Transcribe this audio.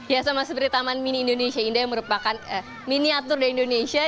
ya sama seperti taman mini indonesia indah yang merupakan miniatur dari indonesia